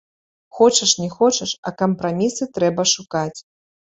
Хочаш не хочаш, а кампрамісы трэба шукаць.